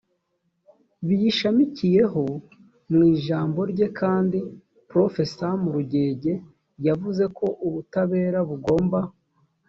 biyishamikiyeho mu ijambo rye kandi prof sam rugege yavuze ko ubutabera bugomba